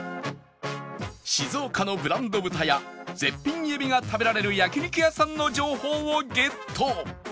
静岡のブランド豚や絶品エビが食べられる焼肉屋さんの情報をゲット！